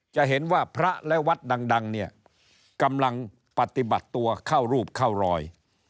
จะเห็นว่าพระและวัดดังเนี่ยกำลังปฏิบัติตัวเข้ารูปเข้ารอย